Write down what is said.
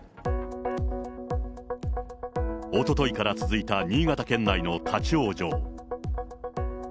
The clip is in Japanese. おとといから続いた新潟県内の立往生。